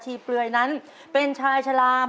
ชีเปลื่อยนั้นเป็นชายฉลาม